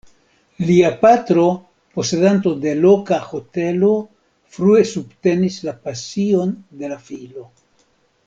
Lia patro, posedanto de loka hotelo, frue subtenis la pasion de la filo.